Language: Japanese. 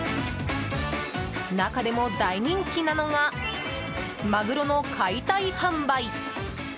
中でも大人気なのがマグロの解体販売。